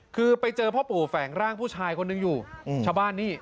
คือไปเจอพ่อปู่แฝงร่างผู้ชายคนหนึ่งอยู่ชาวบ้านนี่